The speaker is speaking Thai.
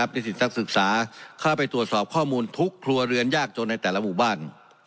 นิสิตนักศึกษาเข้าไปตรวจสอบข้อมูลทุกครัวเรือนยากจนในแต่ละหมู่บ้าน